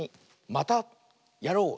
「またやろう！」。